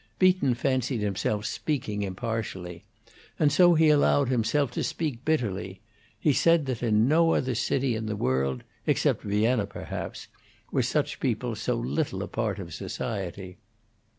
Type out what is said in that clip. Beaton fancied himself speaking impartially, and so he allowed himself to speak bitterly; he said that in no other city in the world, except Vienna, perhaps, were such people so little a part of society.